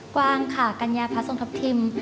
กวางค่ะกัญญาภาษฎพทิม